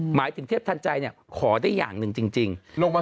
หมายถึงเทพทันใจเนี่ยขอได้อย่างหนึ่งจริงลงมา